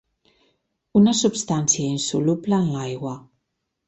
Una substància insoluble en l'aigua.